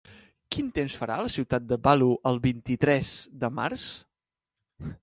Quin temps farà a la ciutat de Value el vint-i-tres de març?